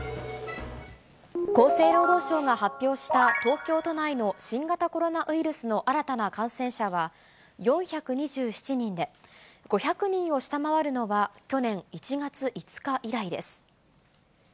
厚生労働省が発表した東京都内の新型コロナウイルスの新たな感染者は４２７人で、５００人を下回るのは去年１月５日以来です。